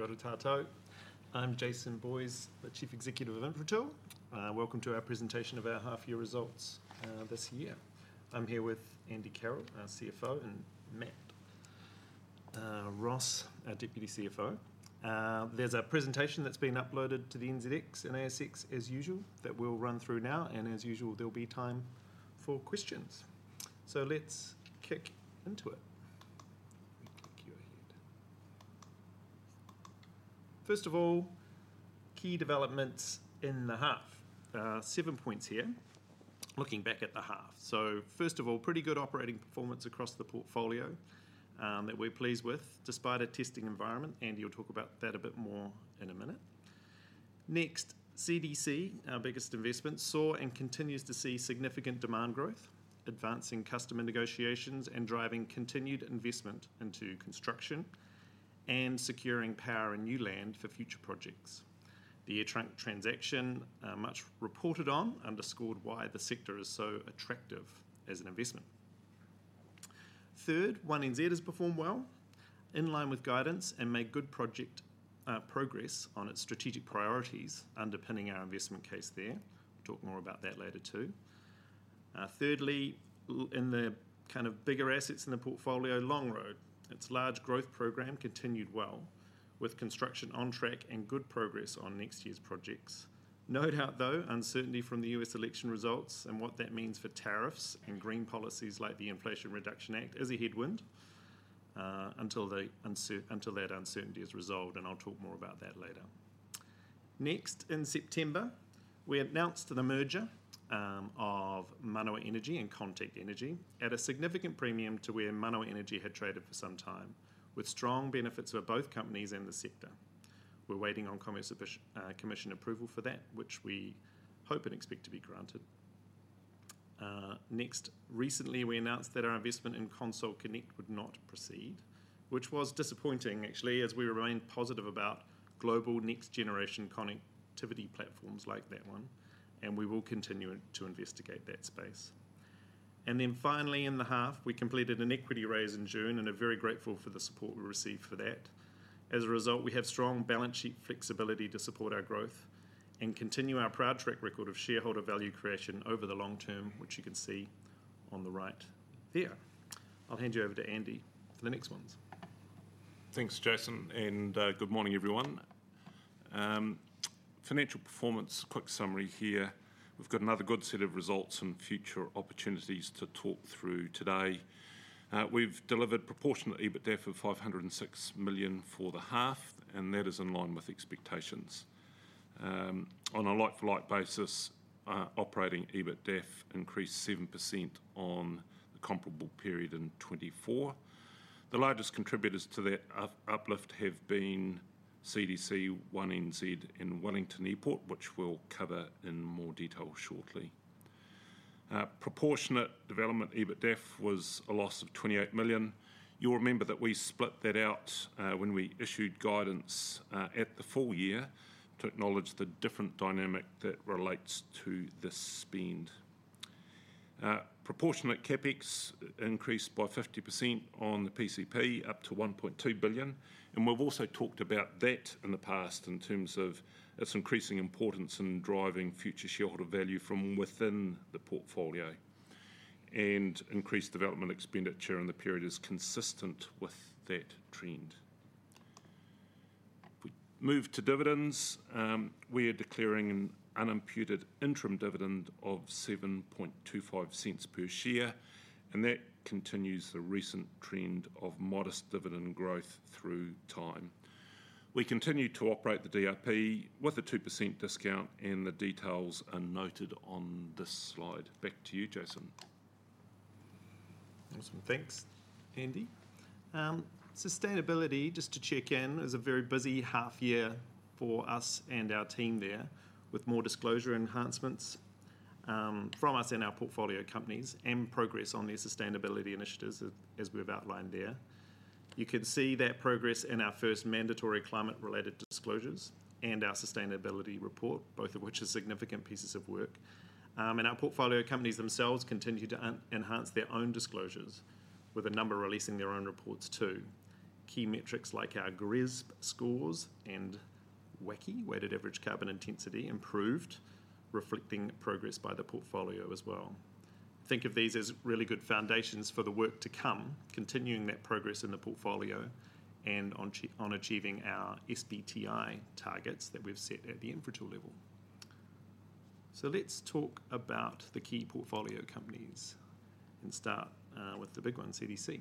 I'm Jason Boyes, the Chief Executive of Infratil. Welcome to our presentation of our half-year results this year. I'm here with Andrew Carroll, our CFO, and Matt Ross, our Deputy CFO. There's a presentation that's been uploaded to the NZX and ASX, as usual, that we'll run through now, and as usual, there'll be time for questions. So let's kick into it. First of all, key developments in the half. Seven points here, looking back at the half. So first of all, pretty good operating performance across the portfolio that we're pleased with, despite a testing environment. Andrew will talk about that a bit more in a minute. Next, CDC, our biggest investment, saw and continues to see significant demand growth, advancing customer negotiations and driving continued investment into construction and securing power and new land for future projects. The AirTrunk transaction, much reported on, underscored why the sector is so attractive as an investment. Third, 1NZ has performed well, in line with guidance, and made good project progress on its strategic priorities, underpinning our investment case there. Talk more about that later, too. Thirdly, in the kind of bigger assets in the portfolio, Long Road, its large growth program continued well, with construction on track and good progress on next year's projects. No doubt, though, uncertainty from the US election results and what that means for tariffs and green policies like the Inflation Reduction Act as a headwind until that uncertainty is resolved, and I'll talk more about that later. Next, in September, we announced the merger of Manawa Energy and Contact Energy at a significant premium to where Manawa Energy had traded for some time, with strong benefits for both companies and the sector. We're waiting on Commerce Commission approval for that, which we hope and expect to be granted. Next, recently, we announced that our investment in Console Connect would not proceed, which was disappointing, actually, as we remain positive about global next-generation connectivity platforms like that one, and we will continue to investigate that space. And then finally, in the half, we completed an equity raise in June and are very grateful for the support we received for that. As a result, we have strong balance sheet flexibility to support our growth and continue our proud track record of shareholder value creation over the long term, which you can see on the right there. I'll hand you over to Andrew for the next ones. Thanks, Jason, and good morning, everyone. Financial performance, quick summary here. We've got another good set of results and future opportunities to talk through today. We've delivered proportionate EBITDA of 506 million for the half, and that is in line with expectations. On a like-for-like basis, operating EBITDA increased 7% on the comparable period in 2024. The largest contributors to that uplift have been CDC, 1NZ, and Wellington Airport, which we'll cover in more detail shortly. Proportionate development EBITDA was a loss of 28 million. You'll remember that we split that out when we issued guidance at the full year to acknowledge the different dynamic that relates to this spend. Proportionate CapEx increased by 50% on the PCP, up to 1.2 billion, and we've also talked about that in the past in terms of its increasing importance in driving future shareholder value from within the portfolio, and increased development expenditure in the period is consistent with that trend. We move to dividends. We are declaring an unimputed interim dividend of 7.25 per share, and that continues the recent trend of modest dividend growth through time. We continue to operate the DRP with a 2% discount, and the details are noted on this slide. Back to you, Jason. Awesome. Thanks, Andrew. Sustainability, just to check in, is a very busy half year for us and our team there, with more disclosure enhancements from us and our portfolio companies and progress on their sustainability initiatives, as we've outlined there. You can see that progress in our first mandatory climate-related disclosures and our sustainability report, both of which are significant pieces of work. And our portfolio companies themselves continue to enhance their own disclosures, with a number releasing their own reports too. Key metrics like our GRESB scores and WACI, Weighted Average Carbon Intensity, improved, reflecting progress by the portfolio as well. Think of these as really good foundations for the work to come, continuing that progress in the portfolio and on achieving our SBTi targets that we've set at the Infratil level. So let's talk about the key portfolio companies and start with the big one, CDC.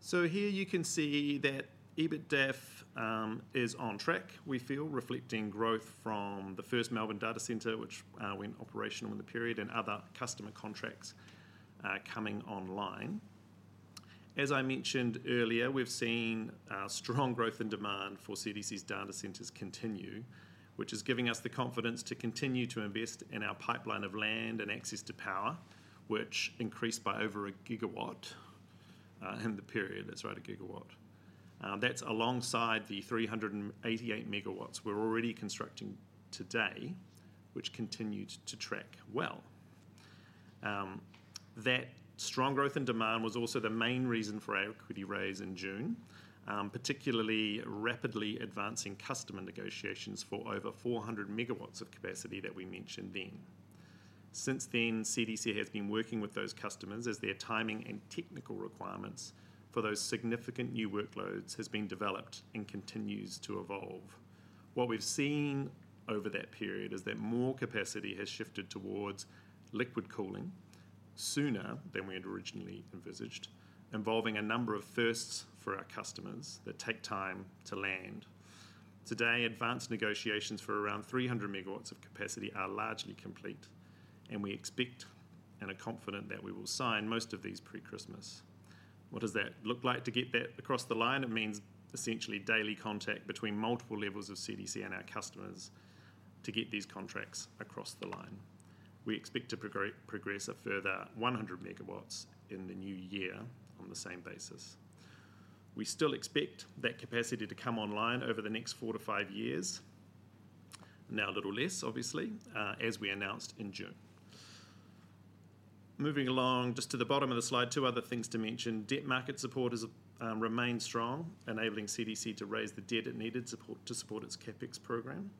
So here you can see that EBITDA is on track, we feel, reflecting growth from the first Melbourne Data Centre, which went operational in the period, and other customer contracts coming online. As I mentioned earlier, we've seen strong growth in demand for CDC's Data Centres continue, which is giving us the confidence to continue to invest in our pipeline of land and access to power, which increased by over a gigawatt in the period. That's right, a gigawatt. That's alongside the 388 megawatts we're already constructing today, which continued to track well. That strong growth in demand was also the main reason for our equity raise in June, particularly rapidly advancing customer negotiations for over 400 megawatts of capacity that we mentioned then. Since then, CDC has been working with those customers as their timing and technical requirements for those significant new workloads have been developed and continue to evolve. What we've seen over that period is that more capacity has shifted towards liquid cooling sooner than we had originally envisaged, involving a number of firsts for our customers that take time to land. Today, advanced negotiations for around 300 megawatts of capacity are largely complete, and we expect and are confident that we will sign most of these pre-Christmas. What does that look like to get that across the line? It means essentially daily contact between multiple levels of CDC and our customers to get these contracts across the line. We expect to progress a further 100 megawatts in the new year on the same basis. We still expect that capacity to come online over the next four to five years, now a little less, obviously, as we announced in June. Moving along, just to the bottom of the slide, two other things to mention. Debt market support has remained strong, enabling CDC to raise the debt it needed to support its CapEx program.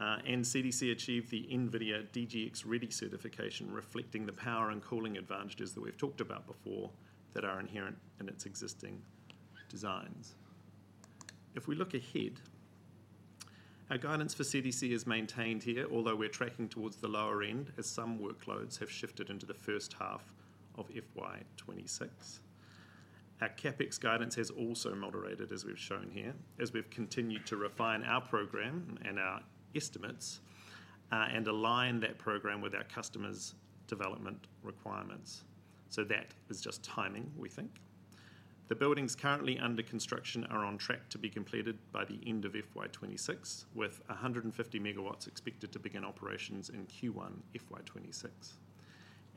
And CDC achieved the NVIDIA DGX Ready certification, reflecting the power and cooling advantages that we've talked about before that are inherent in its existing designs. If we look ahead, our guidance for CDC is maintained here, although we're tracking towards the lower end as some workloads have shifted into the first half of FY26. Our CapEx guidance has also moderated, as we've shown here, as we've continued to refine our program and our estimates and align that program with our customers' development requirements. So that is just timing, we think. The buildings currently under construction are on track to be completed by the end of FY26, with 150 megawatts expected to begin operations in Q1 FY26.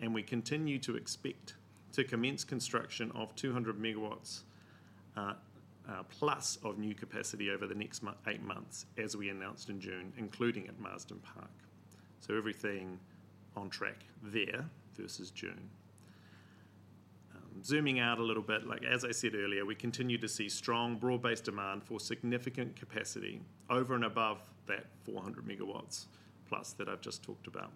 And we continue to expect to commence construction of 200 megawatts plus of new capacity over the next eight months, as we announced in June, including at Marsden Park. So everything on track there versus June. Zooming out a little bit, like as I said earlier, we continue to see strong broad-based demand for significant capacity over and above that 400 megawatts plus that I've just talked about.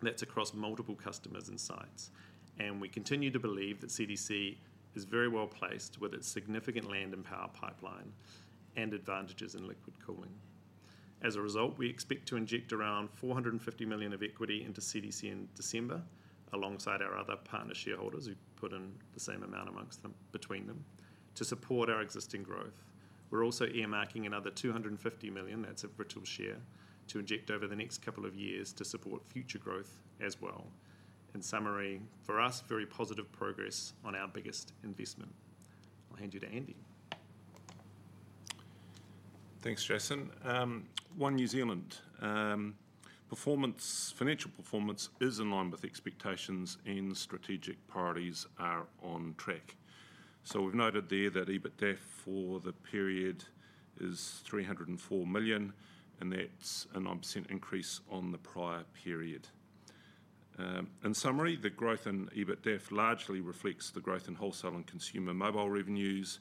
That's across multiple customers and sites. And we continue to believe that CDC is very well placed with its significant land and power pipeline and advantages in liquid cooling. As a result, we expect to inject around 450 million of equity into CDC in December, alongside our other partner shareholders who put in the same amount between them, to support our existing growth. We're also earmarking another 250 million—that's our share—to inject over the next couple of years to support future growth as well. In summary, for us, very positive progress on our biggest investment. I'll hand you to Andrew. Thanks, Jason. One New Zealand. Performance, financial performance is in line with expectations, and strategic priorities are on track. So we've noted there that EBITDA for the period is 304 million, and that's a 9% increase on the prior period. In summary, the growth in EBITDA largely reflects the growth in wholesale and consumer mobile revenues,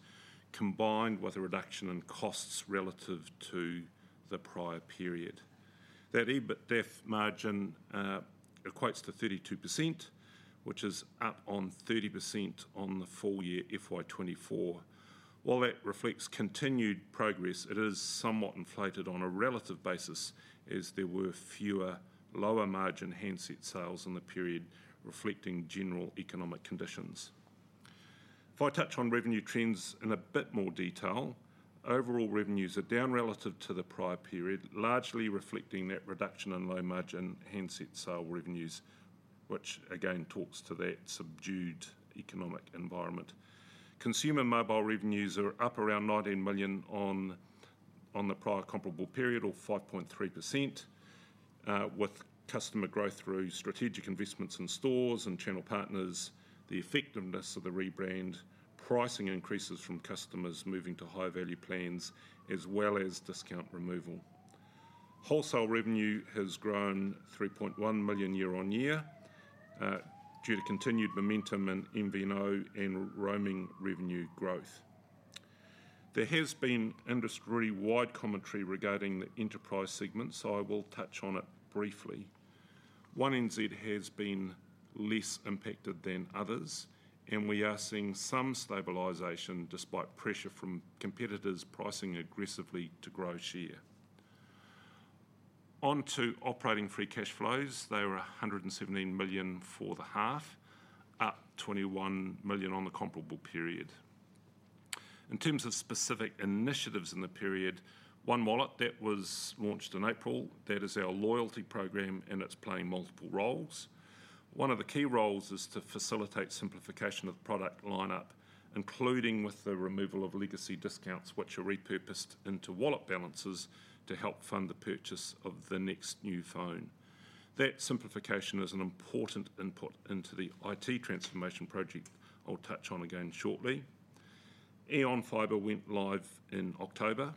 combined with a reduction in costs relative to the prior period. That EBITDA margin equates to 32%, which is up on 30% on the full year FY24. While that reflects continued progress, it is somewhat inflated on a relative basis, as there were fewer lower-margin handset sales in the period, reflecting general economic conditions. If I touch on revenue trends in a bit more detail, overall revenues are down relative to the prior period, largely reflecting that reduction in low-margin handset sale revenues, which again talks to that subdued economic environment. Consumer mobile revenues are up around 19 million on the prior comparable period, or 5.3%, with customer growth through strategic investments in stores and channel partners, the effectiveness of the rebrand, pricing increases from customers moving to high-value plans, as well as discount removal. Wholesale revenue has grown 3.1 million year on year due to continued momentum in MVNO and roaming revenue growth. There has been industry-wide commentary regarding the enterprise segment, so I will touch on it briefly. 1NZ has been less impacted than others, and we are seeing some stabilization despite pressure from competitors pricing aggressively to grow share. On to operating free cash flows. They were 117 million for the half, up 21 million on the comparable period. In terms of specific initiatives in the period, One Wallet, that was launched in April. That is our loyalty program, and it's playing multiple roles. One of the key roles is to facilitate simplification of product lineup, including with the removal of legacy discounts, which are repurposed into wallet balances to help fund the purchase of the next new phone. That simplification is an important input into the IT transformation project I'll touch on again shortly. EonFibre went live in October,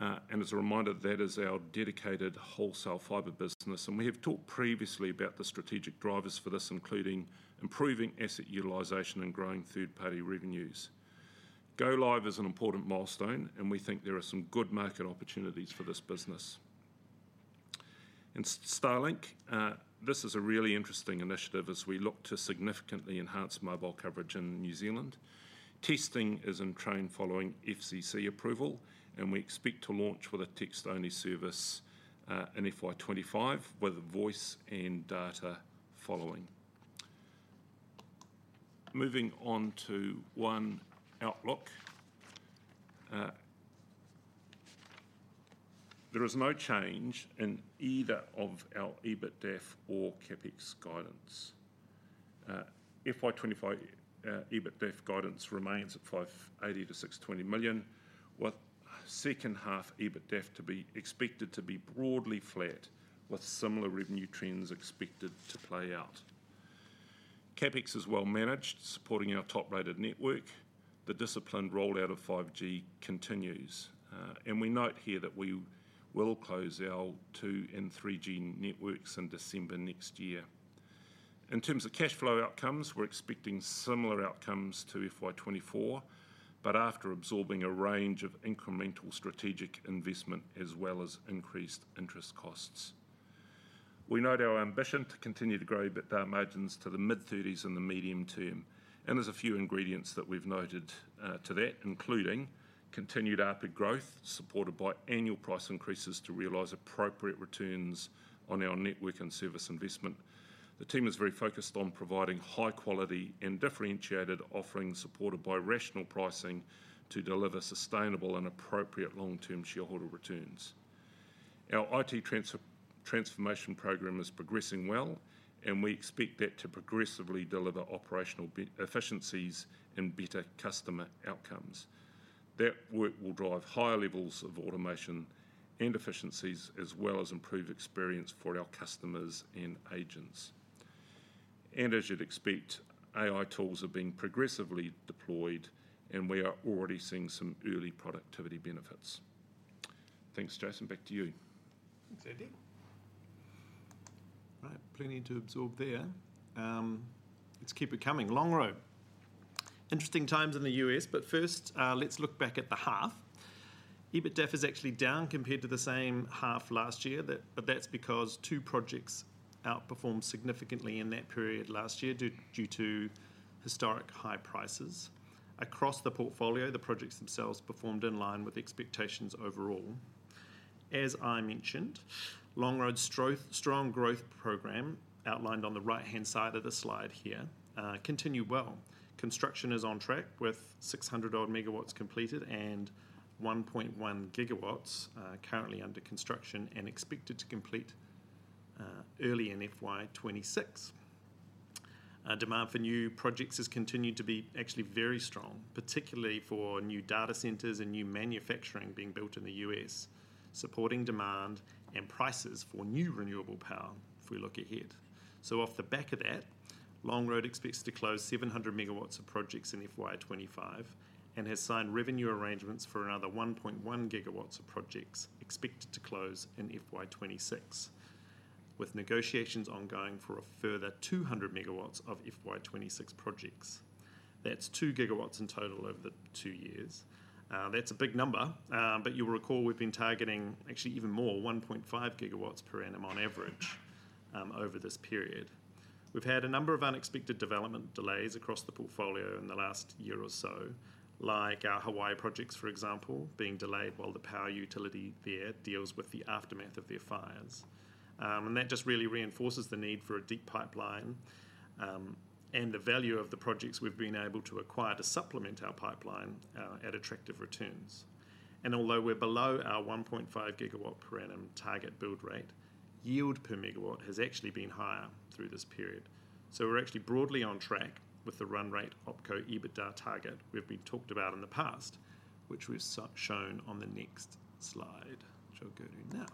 and as a reminder, that is our dedicated wholesale Barrenjoey business, and we have talked previously about the strategic drivers for this, including improving asset utilization and growing third-party revenues. Go Live is an important milestone, and we think there are some good market opportunities for this business. Starlink, this is a really interesting initiative as we look to significantly enhance mobile coverage in New Zealand. Testing is in train following FCC approval, and we expect to launch with a text-only service in FY25, with voice and data following. Moving on to One Outlook. There is no change in either of our EBITDA or CapEx guidance. FY25 EBITDA guidance remains at 580 million-620 million, with second half EBITDA to be expected to be broadly flat, with similar revenue trends expected to play out. CapEx is well managed, supporting our top-rated network. The disciplined rollout of 5G continues, and we note here that we will close our 2G and 3G networks in December next year. In terms of cash flow outcomes, we're expecting similar outcomes to FY24, but after absorbing a range of incremental strategic investment as well as increased interest costs. We note our ambition to continue to grow EBITDA margins to the mid-30s in the medium term, and there's a few ingredients that we've noted to that, including continued ARPA growth supported by annual price increases to realize appropriate returns on our network and service investment. The team is very focused on providing high-quality and differentiated offerings supported by rational pricing to deliver sustainable and appropriate long-term shareholder returns. Our IT transformation program is progressing well, and we expect that to progressively deliver operational efficiencies and better customer outcomes. That work will drive higher levels of automation and efficiencies, as well as improved experience for our customers and agents. And as you'd expect, AI tools are being progressively deployed, and we are already seeing some early productivity benefits. Thanks, Jason. Back to you. Thanks, Andrew. Right, plenty to absorb there. Let's keep it coming. Long Road. Interesting times in the US, but first, let's look back at the half. EBITDA is actually down compared to the same half last year, but that's because two projects outperformed significantly in that period last year due to historic high prices. Across the portfolio, the projects themselves performed in line with expectations overall. As I mentioned, Long Road's strong growth program, outlined on the right-hand side of the slide here, continued well. Construction is on track with 600-odd MW completed and 1.1 GW currently under construction and expected to complete early in FY26. Demand for new projects has continued to be actually very strong, particularly for new data centers and new manufacturing being built in the U.S., supporting demand and prices for new renewable power if we look ahead. So off the back of that, Long Road expects to close 700 megawatts of projects in FY25 and has signed revenue arrangements for another 1.1 gigawatts of projects expected to close in FY26, with negotiations ongoing for a further 200 megawatts of FY26 projects. That's two gigawatts in total over the two years. That's a big number, but you'll recall we've been targeting actually even more, 1.5 gigawatts per annum on average over this period. We've had a number of unexpected development delays across the portfolio in the last year or so, like our Hawaii projects, for example, being delayed while the power utility there deals with the aftermath of their fires. And that just really reinforces the need for a deep pipeline and the value of the projects we've been able to acquire to supplement our pipeline at attractive returns. And although we're below our 1.5 gigawatt per annum target build rate, yield per megawatt has actually been higher through this period. So we're actually broadly on track with the run rate Opco EBITDA target we've been talked about in the past, which we've shown on the next slide, which I'll go to now.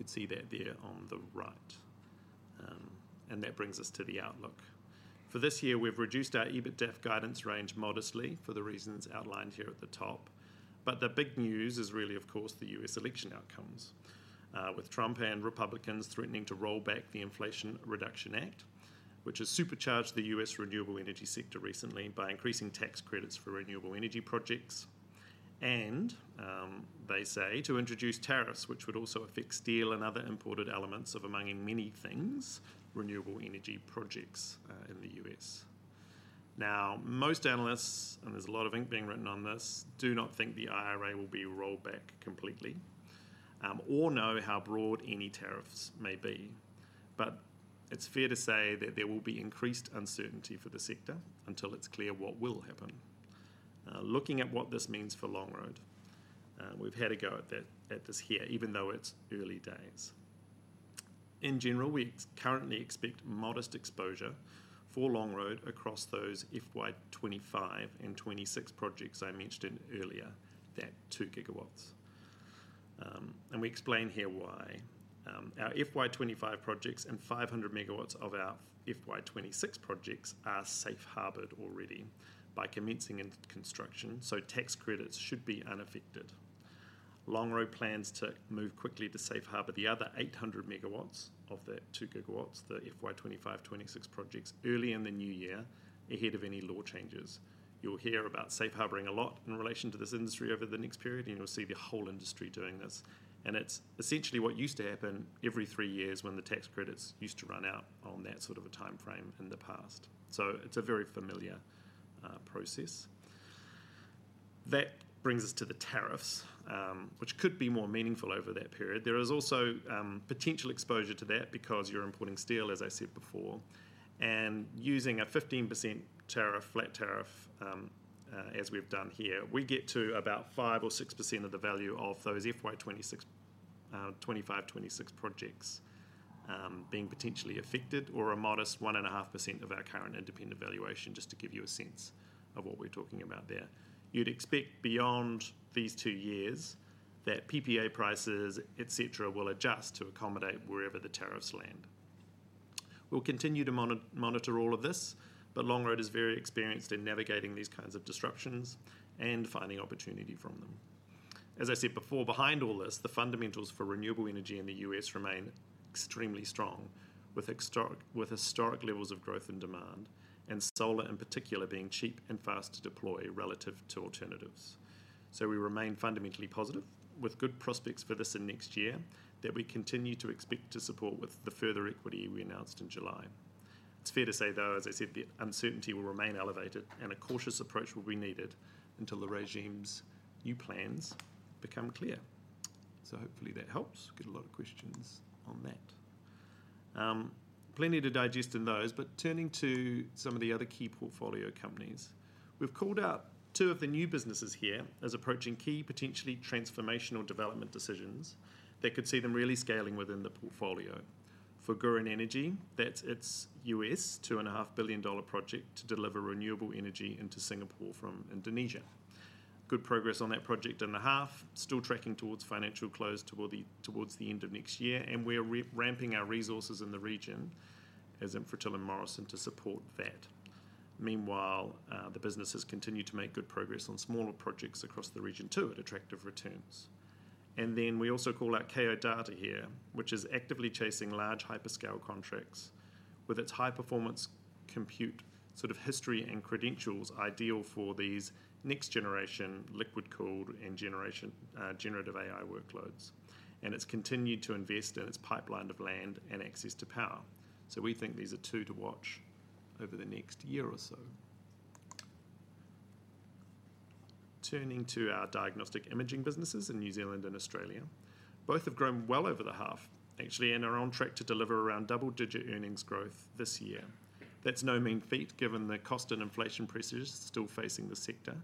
You could see that there on the right. And that brings us to the outlook. For this year, we've reduced our EBITDA guidance range modestly for the reasons outlined here at the top. But the big news is really, of course, the U.S. election outcomes, with Trump and Republicans threatening to roll back the Inflation Reduction Act, which has supercharged the U.S. renewable energy sector recently by increasing tax credits for renewable energy projects. And they say to introduce tariffs, which would also affect steel and other imported elements of, among many things, renewable energy projects in the U.S. Now, most analysts, and there's a lot of ink being written on this, do not think the IRA will be rolled back completely or know how broad any tariffs may be. But it's fair to say that there will be increased uncertainty for the sector until it's clear what will happen. Looking at what this means for Long Road, we've had a go at this here, even though it's early days. In general, we currently expect modest exposure for Long Road across those FY25 and FY26 projects I mentioned earlier, that two gigawatts, and we explain here why. Our FY25 projects and 500 megawatts of our FY26 projects are safe harbored already by commencing in construction, so tax credits should be unaffected. Long Road plans to move quickly to safe harbor the other 800 megawatts of that two gigawatts, the FY25-26 projects, early in the new year, ahead of any law changes. You'll hear about safe harboring a lot in relation to this industry over the next period, and you'll see the whole industry doing this, and it's essentially what used to happen every three years when the tax credits used to run out on that sort of a timeframe in the past, so it's a very familiar process. That brings us to the tariffs, which could be more meaningful over that period. There is also potential exposure to that because you're importing steel, as I said before, and using a 15% tariff, flat tariff, as we've done here, we get to about 5% or 6% of the value of those FY26-25-26 projects being potentially affected, or a modest 1.5% of our current independent valuation, just to give you a sense of what we're talking about there. You'd expect beyond these two years that PPA prices, etc., will adjust to accommodate wherever the tariffs land. We'll continue to monitor all of this, but Long Road is very experienced in navigating these kinds of disruptions and finding opportunity from them. As I said before, behind all this, the fundamentals for renewable energy in the U.S. remain extremely strong, with historic levels of growth and demand, and solar in particular being cheap and fast to deploy relative to alternatives. So we remain fundamentally positive, with good prospects for this and next year, that we continue to expect to support with the further equity we announced in July. It's fair to say, though, as I said, the uncertainty will remain elevated, and a cautious approach will be needed until the regime's new plans become clear. So hopefully that helps. We've got a lot of questions on that. Plenty to digest in those, but turning to some of the other key portfolio companies, we've called out two of the new businesses here as approaching key potentially transformational development decisions that could see them really scaling within the portfolio. For Gurin Energy, that's its $2.5 billion project to deliver renewable energy into Singapore from Indonesia. Good progress on that project in the half, still tracking towards financial close towards the end of next year, and we're ramping our resources in the region, as in Fritilla Morrison, to support that. Meanwhile, the business has continued to make good progress on smaller projects across the region too at attractive returns, and then we also call out Kao Data here, which is actively chasing large hyperscale contracts with its high-performance compute sort of history and credentials ideal for these next-generation liquid-cooled and generative AI workloads, and it's continued to invest in its pipeline of land and access to power, so we think these are two to watch over the next year or so. Turning to our diagnostic imaging businesses in New Zealand and Australia, both have grown well over the half, actually, and are on track to deliver around double-digit earnings growth this year. That's no mean feat given the cost and inflation pressures still facing the sector,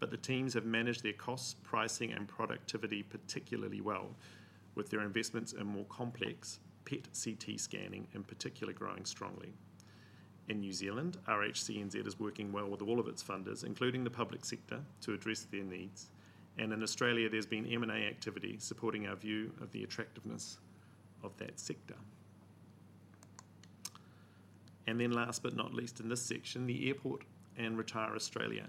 but the teams have managed their costs, pricing, and productivity particularly well, with their investments in more complex PET CT scanning in particular growing strongly. In New Zealand, RHCNZ is working well with all of its funders, including the public sector, to address their needs. And in Australia, there's been M&A activity supporting our view of the attractiveness of that sector. And then last but not least in this section, the airport and Retire Australia.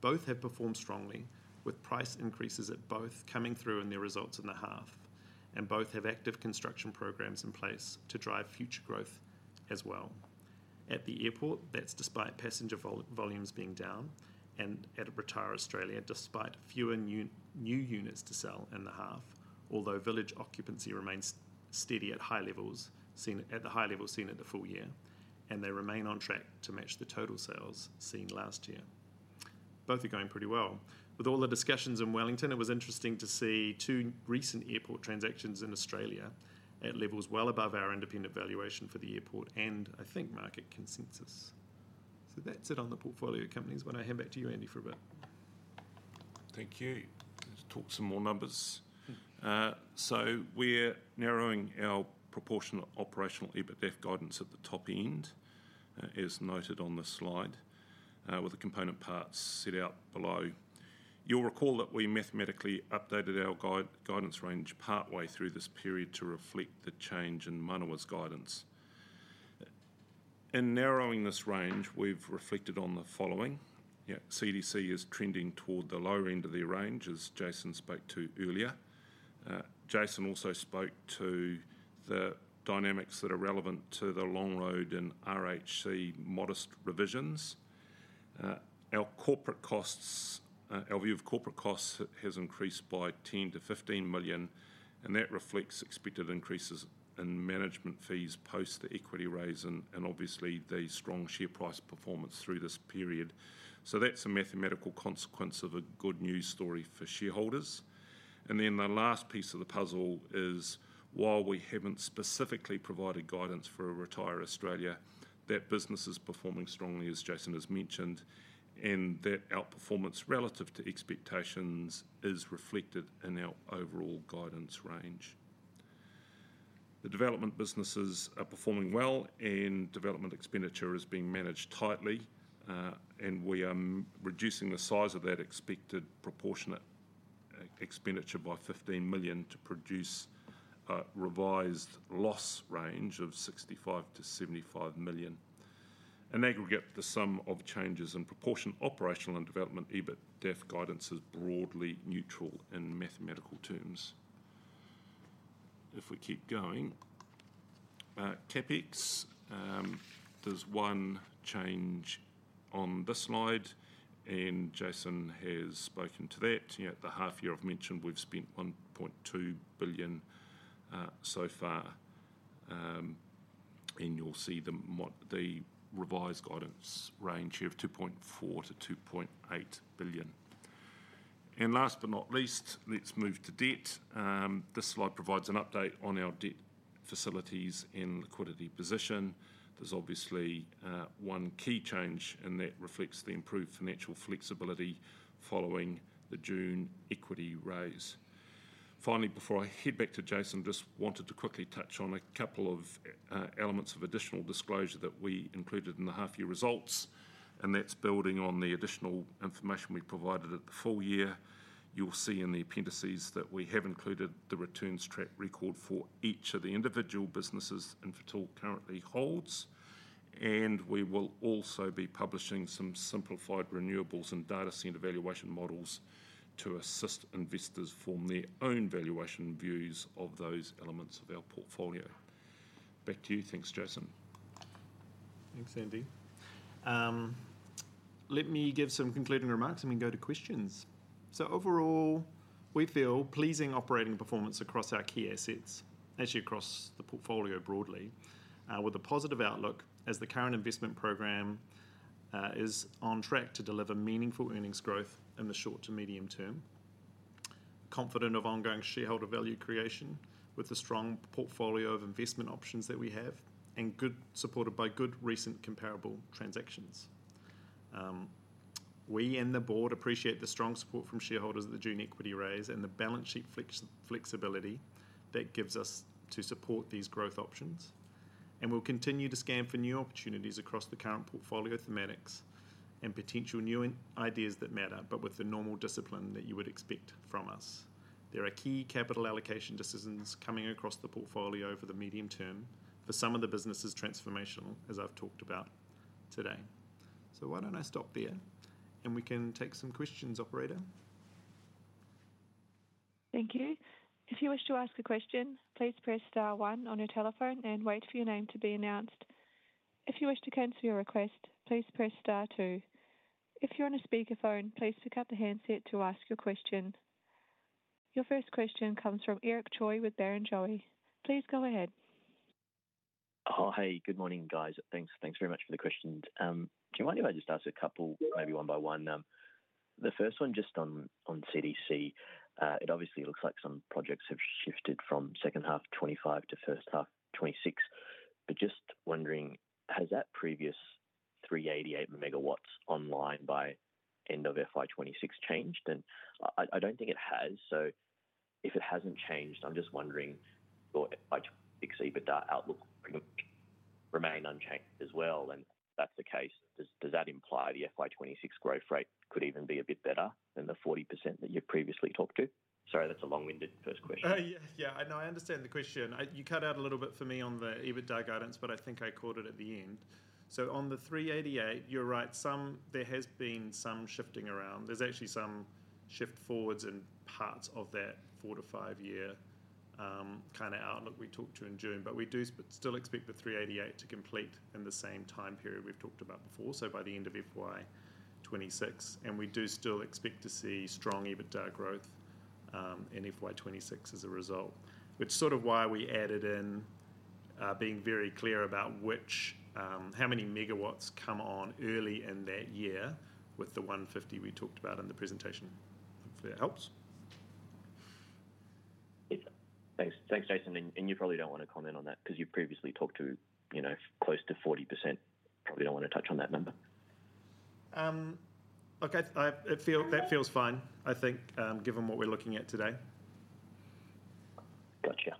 Both have performed strongly, with price increases at both coming through in their results in the half, and both have active construction programs in place to drive future growth as well. At the airport, that's despite passenger volumes being down, and at Retire Australia, despite fewer new units to sell in the half, although village occupancy remains steady at high levels seen at the full year, and they remain on track to match the total sales seen last year. Both are going pretty well. With all the discussions in Wellington, it was interesting to see two recent airport transactions in Australia at levels well above our independent valuation for the airport and, I think, market consensus. So that's it on the portfolio companies. I want to hand back to you, Andrew, for a bit. Thank you. Let's talk some more numbers. So we're narrowing our proportional operational EBITDA guidance at the top end, as noted on the slide, with the component parts set out below. You'll recall that we mathematically updated our guidance range partway through this period to reflect the change in Manawa's guidance. In narrowing this range, we've reflected on the following. CDC is trending toward the lower end of their range, as Jason spoke to earlier. Jason also spoke to the dynamics that are relevant to the Long Road and RHC modest revisions. Our view of corporate costs has increased by 10 million-15 million, and that reflects expected increases in management fees post the equity raise and obviously the strong share price performance through this period. So that's a mathematical consequence of a good news story for shareholders. Then the last piece of the puzzle is, while we haven't specifically provided guidance for Retire Australia, that business is performing strongly, as Jason has mentioned, and that outperformance relative to expectations is reflected in our overall guidance range. The development businesses are performing well, and development expenditure is being managed tightly, and we are reducing the size of that expected proportionate expenditure by 15 million to produce a revised loss range of 65-75 million. In aggregate, the sum of changes in proportional operational and development EBITDA guidance is broadly neutral in mathematical terms. If we keep going, CapEx, there's one change on this slide, and Jason has spoken to that. At the half-year, I've mentioned we've spent 1.2 billion so far, and you'll see the revised guidance range here of 2.4-2.8 billion. Last but not least, let's move to debt. This slide provides an update on our debt facilities and liquidity position. There's obviously one key change, and that reflects the improved financial flexibility following the June equity raise. Finally, before I head back to Jason, I just wanted to quickly touch on a couple of elements of additional disclosure that we included in the half-year results, and that's building on the additional information we provided at the full year. You'll see in the appendices that we have included the returns track record for each of the individual businesses Infratil currently holds, and we will also be publishing some simplified renewables and data center valuation models to assist investors form their own valuation views of those elements of our portfolio. Back to you. Thanks, Jason. Thanks, Andrew. Let me give some concluding remarks and we can go to questions. So overall, we feel pleasing operating performance across our key assets, actually across the portfolio broadly, with a positive outlook as the current investment program is on track to deliver meaningful earnings growth in the short to medium term. Confident of ongoing shareholder value creation with the strong portfolio of investment options that we have and supported by good recent comparable transactions. We and the board appreciate the strong support from shareholders at the June equity raise and the balance sheet flexibility that gives us to support these growth options. And we'll continue to scan for new opportunities across the current portfolio thematics and potential new ideas that matter, but with the normal discipline that you would expect from us. There are key capital allocation decisions coming across the portfolio over the medium term for some of the businesses transformational, as I've talked about today. So why don't I stop there, and we can take some questions, Operator. Thank you. If you wish to ask a question, please press Star 1 on your telephone and wait for your name to be announced. If you wish to cancel your request, please press Star 2. If you're on a speakerphone, please pick up the handset to ask your question. Your first question comes from Eric Choi with Barrenjoey. Please go ahead. Oh, hey, good morning, guys. Thanks very much for the questions. Do you mind if I just ask a couple, maybe one by one? The first one just on CDC. It obviously looks like some projects have shifted from second half 2025 to first half 2026, but just wondering, has that previous 388 megawatts online by end of FY 2026 changed? And I don't think it has. So if it hasn't changed, I'm just wondering will EBITDA with that outlook remain unchanged as well? And if that's the case, does that imply the FY 2026 growth rate could even be a bit better than the 40% that you previously talked to? Sorry, that's a long-winded first question. Yeah, I know. I understand the question. You cut out a little bit for me on the EBITDA guidance, but I think I caught it at the end. So on the 388, you're right, there has been some shifting around. There's actually some shift forwards in parts of that four to five-year kind of outlook we talked to in June, but we do still expect the 388 to complete in the same time period we've talked about before, so by the end of FY26. And we do still expect to see strong EBITDA growth in FY26 as a result, which is sort of why we added in being very clear about how many megawatts come on early in that year with the 150 we talked about in the presentation. Hopefully, that helps. Thanks, Jason. And you probably don't want to comment on that because you've previously talked to close to 40%. Probably don't want to touch on that number. Okay, that feels fine, I think, given what we're looking at today. Gotcha.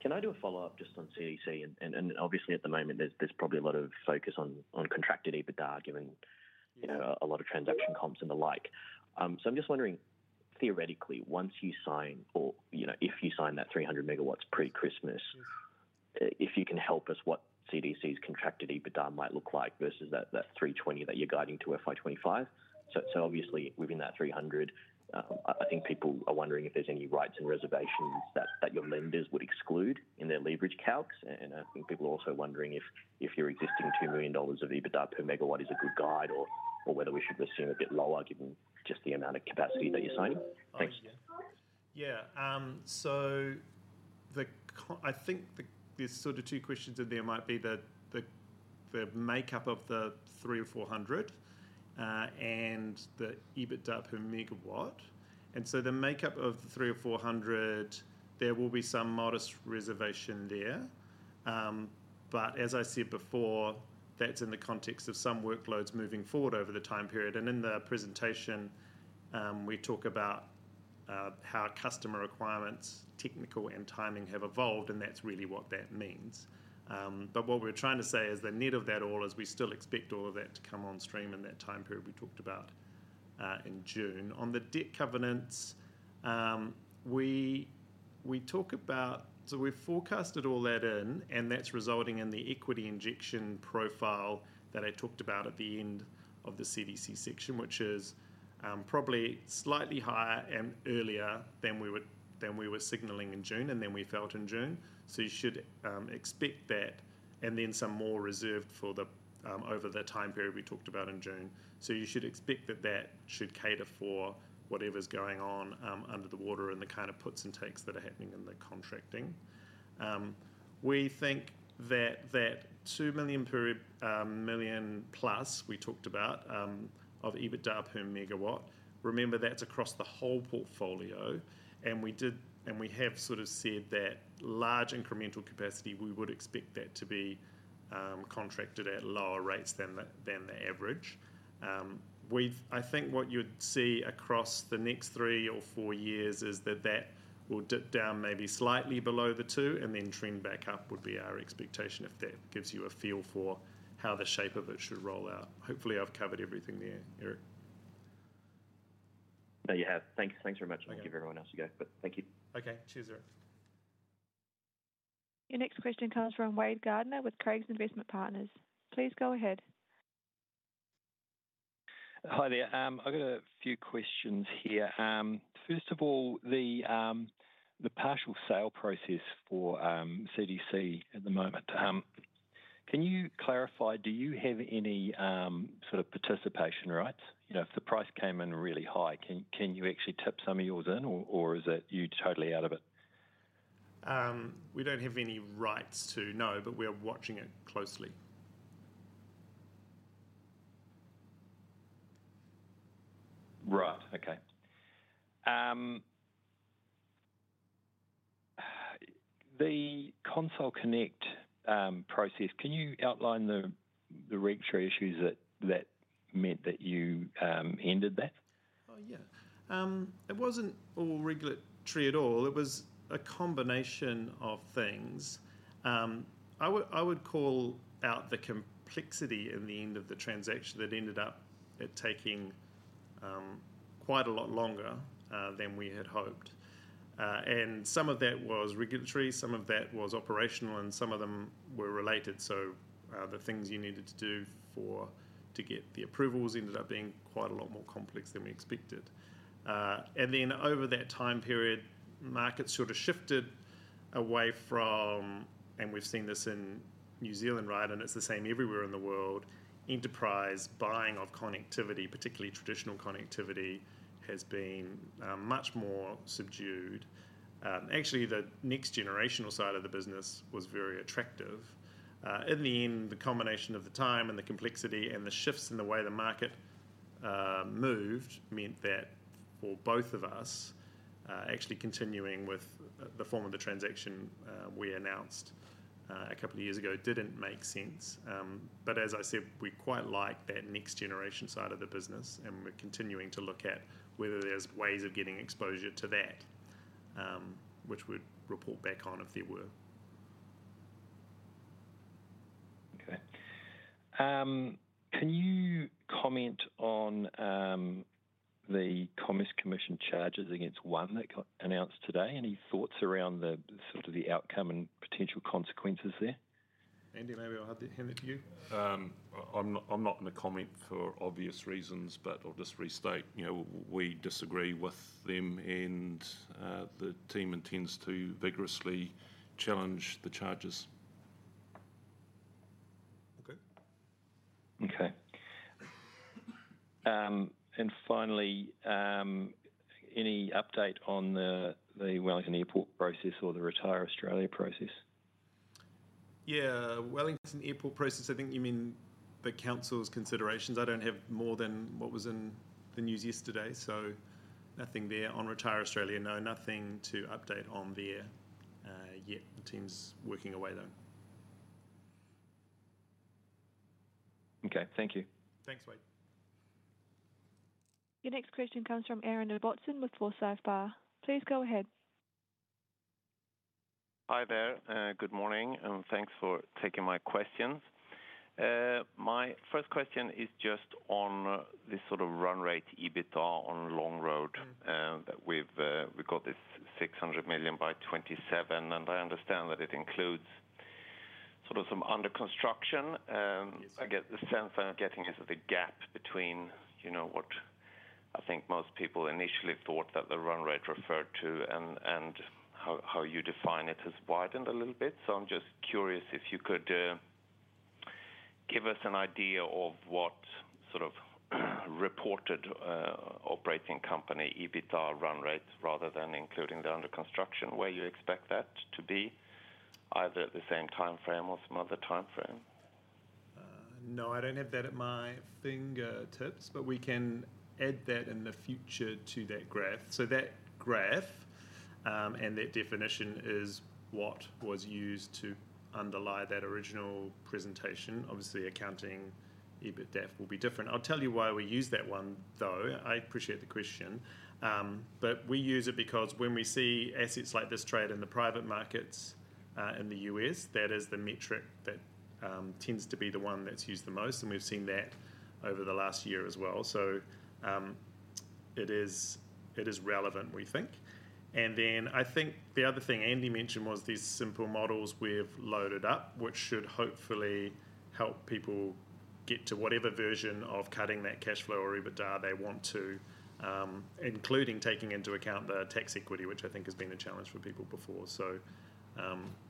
Can I do a follow-up just on CDC? And obviously, at the moment, there's probably a lot of focus on contracted EBITDA given a lot of transaction comps and the like. So I'm just wondCamerong, theoretically, once you sign, or if you sign that 300 megawatts pre-Christmas, if you can help us what CDC's contracted EBITDA might look like versus that 320 that you're guiding to FY25. So obviously, within that 300, I think people are wondCamerong if there's any rights and reservations that your lenders would exclude in their leverage calcs. And I think people are also wondCamerong if your existing $2 million of EBITDA per megawatt is a good guide or whether we should assume a bit lower given just the amount of capacity that you're signing. Thanks. Yeah. So I think there's sort of two questions in there. It might be the makeup of the 300 or 400 and the EBITDA per megawatt. And so the makeup of the 300 or 400, there will be some modest reservation there. But as I said before, that's in the context of some workloads moving forward over the time period. And in the presentation, we talk about how customer requirements, technical, and timing have evolved, and that's really what that means. But what we're trying to say is the net of that all is we still expect all of that to come on stream in that time period we talked about in June. On the debt covenants, we talk about so we've forecasted all that in, and that's resulting in the equity injection profile that I talked about at the end of the CDC section, which is probably slightly higher and earlier than we were signaling in June and than we felt in June. So you should expect that, and then some more reserved over the time period we talked about in June. So you should expect that that should cater for whatever's going on under the water and the kind of puts and takes that are happening in the contracting. We think that that 2 million plus we talked about of EBITDA per megawatt, remember that's across the whole portfolio, and we have sort of said that large incremental capacity, we would expect that to be contracted at lower rates than the average. I think what you'd see across the next three or four years is that that will dip down maybe slightly below the two, and then trend back up would be our expectation if that gives you a feel for how the shape of it should roll out. Hopefully, I've covered everything there, Eric. There you have. Thanks very much. I'll give everyone else a go, but thank you. Okay, cheers, Eric. Your next question comes from Wade Gardiner with Craigs Investment Partners. Please go ahead. Hi there. I've got a few questions here. First of all, the partial sale process for CDC at the moment, can you clarify, do you have any sort of participation rights? If the price came in really high, can you actually tip some of yours in, or is it you totally out of it? We don't have any rights to, no, but we're watching it closely. Right, okay. The Console Connect process, can you outline the regulatory issues that meant that you ended that? Oh, yeah. It wasn't all regulatory at all. It was a combination of things. I would call out the complexity in the end of the transaction that ended up taking quite a lot longer than we had hoped, and some of that was regulatory, some of that was operational, and some of them were related, so the things you needed to do to get the approvals ended up being quite a lot more complex than we expected, and then over that time period, markets sort of shifted away from, and we've seen this in New Zealand, right, and it's the same everywhere in the world, enterprise buying of connectivity, particularly traditional connectivity, has been much more subdued. Actually, the next generational side of the business was very attractive. In the end, the combination of the time and the complexity and the shifts in the way the market moved meant that for both of us, actually continuing with the form of the transaction we announced a couple of years ago didn't make sense. But as I said, we quite like that next generation side of the business, and we're continuing to look at whether there's ways of getting exposure to that, which we'd report back on if there were. Okay. Can you comment on the Commerce Commission charges against One NZ that got announced today? Any thoughts around sort of the outcome and potential consequences there? Andrew, maybe I'll hand it to you. I'm not going to comment for obvious reasons, but I'll just restate. We disagree with them, and the team intends to vigorously challenge the charges. Okay. Okay, and finally, any update on the Wellington Airport process or the Retire Australia process? Yeah, Wellington Airport process, I think you mean the council's considerations. I don't have more than what was in the news yesterday, so nothing there. On Retire Australia, no, nothing to update on there yet. The team's working away, though. Okay, thank you. Thanks, Wade. Your next question comes from Cameron Watson with Forsyth Barr. Please go ahead. Hi there. Good morning, and thanks for taking my questions. My first question is just on this sort of run rate EBITDA on Long Road. We've got this $600 million by 2027, and I understand that it includes sort of some under construction. I get the sense I'm getting is the gap between what I think most people initially thought that the run rate referred to and how you define it has widened a little bit. So I'm just curious if you could give us an idea of what sort of reported operating company EBITDA run rate rather than including the under construction, where you expect that to be, either at the same timeframe or some other timeframe? No, I don't have that at my fingertips, but we can add that in the future to that graph. So that graph and that definition is what was used to underlie that original presentation. Obviously, accounting EBITDA will be different. I'll tell you why we use that one, though. I appreciate the question. But we use it because when we see assets like this trade in the private markets in the U.S., that is the metric that tends to be the one that's used the most, and we've seen that over the last year as well. So it is relevant, we think. And then I think the other thing Andrew mentioned was these simple models we've loaded up, which should hopefully help people get to whatever version of cutting that cash flow or EBITDA they want to, including taking into account the tax equity, which I think has been a challenge for people before. So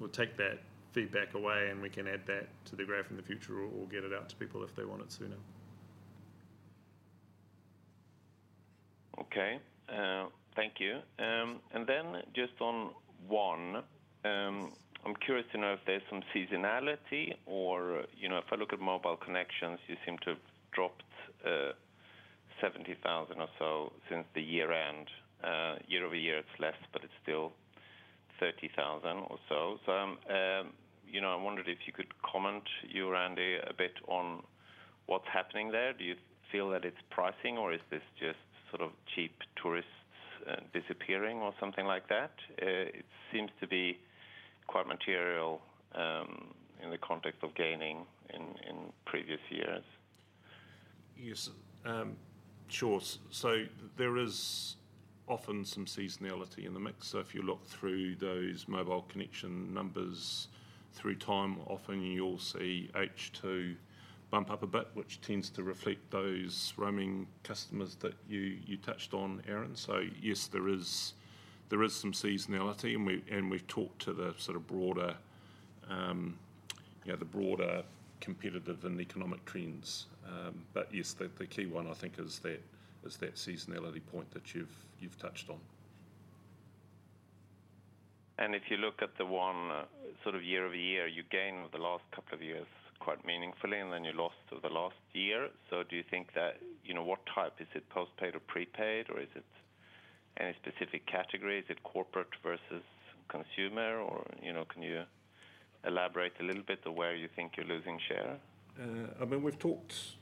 we'll take that feedback away, and we can add that to the graph in the future or get it out to people if they want it sooner. Okay, thank you. And then just on One, I'm curious to know if there's some seasonality or if I look at mobile connections, you seem to have dropped 70,000 or so since the year-end. Year over year, it's less, but it's still 30,000 or so. So I wondered if you could comment, you, Andrew, a bit on what's happening there. Do you feel that it's pricing, or is this just sort of cheap tourists disappearing or something like that? It seems to be quite material in the context of gaining in previous years. Yes, sure. So there is often some seasonality in the mix. So if you look through those mobile connection numbers through time, often you'll see H2 bump up a bit, which tends to reflect those roaming customers that you touched on, Cameron. So yes, there is some seasonality, and we've talked to the sort of broader competitive and economic trends. But yes, the key one, I think, is that seasonality point that you've touched on. If you look at the one sort of year over year, you gained the last couple of years quite meaningfully, and then you lost the last year. So do you think that what type? Is it postpaid or prepaid, or is it any specific category? Is it corporate versus consumer? Or can you elaborate a little bit to where you think you're losing share? I mean, we've talked